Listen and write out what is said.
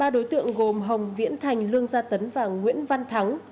ba đối tượng gồm hồng viễn thành lương gia tấn và nguyễn văn thắng